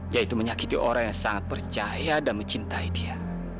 yaitu menyakiti orang yang sangat percaya dan mencintai dia